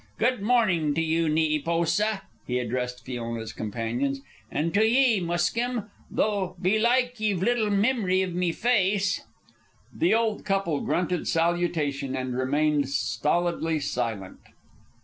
Good mornin' to ye, Neepoosa," he addressed Frona's companions, "an' to ye, Muskim, though, belike ye've little mimory iv me face." The old couple grunted salutation and remained stolidly silent.